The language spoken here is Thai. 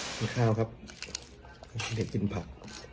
ทำอะไรครับ